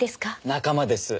仲間です。